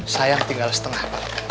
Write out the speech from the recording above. sayang tinggal setengah pak